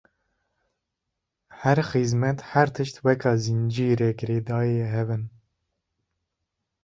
her xîzmet her tişt weka zincîrê girêdayî hev in.